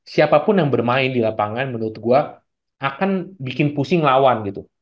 siapapun yang bermain di lapangan menurut gue akan bikin pusing lawan gitu